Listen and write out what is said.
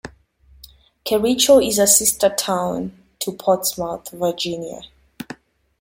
Kericho is a sister town to Portsmouth, Virginia.